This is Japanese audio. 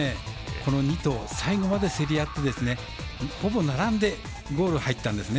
この２頭最後まで競り合ってほぼ並んでゴールに入ったんですね。